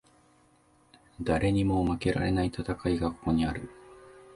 誰にも負けられない戦いがここにある